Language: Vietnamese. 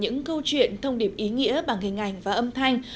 những câu chuyện thông điệp ý nghĩa bằng hình ảnh và âm thanh